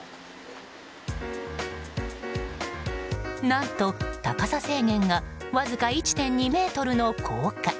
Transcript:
何と高さ制限がわずか１．２ｍの高架。